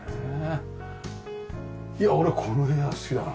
いや俺この部屋好きだなあ。